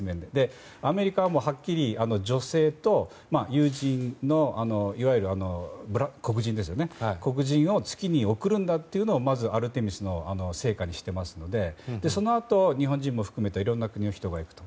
アメリカはもうはっきり女性とブラック、黒人を月に送るんだというのをアルテミスの成果にしていますのでそのあと、日本人も含めていろんな国の人がいると。